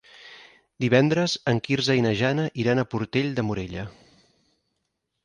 Divendres en Quirze i na Jana iran a Portell de Morella.